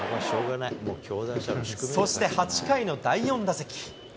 そして８回の第４打席。